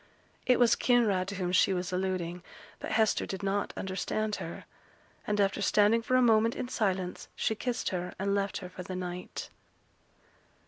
It was Kinraid to whom she was alluding; but Hester did not understand her; and after standing for a moment in silence, she kissed her, and left her for the night.